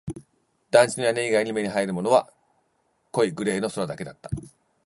団地の屋根以外に目に入るものは濃いグレーの空だけだった